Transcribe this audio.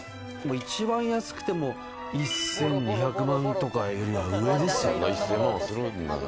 一番安くても１２００万とかよりは上ですよね。